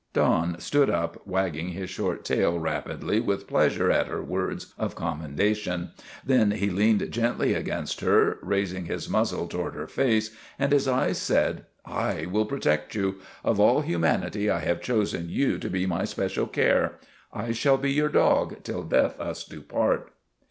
Don stood up, wagging his short tail rapidly with pleasure at her words of commendation. Then he leaned gently against her, raising his muzzle toward her face, and his eyes said :" I will protect you. Of all humanity I have chosen you to be my special care. I shall be your dog, till death us do part."